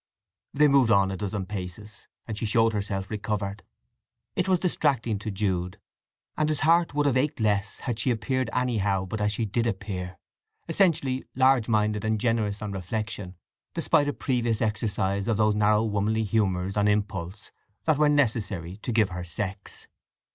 They moved on a dozen paces, and she showed herself recovered. It was distracting to Jude, and his heart would have ached less had she appeared anyhow but as she did appear; essentially large minded and generous on reflection, despite a previous exercise of those narrow womanly humours on impulse that were necessary to give her sex.